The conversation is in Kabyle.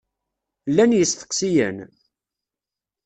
Llan yisteqsiyen?